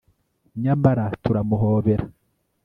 nyamara turamuhobera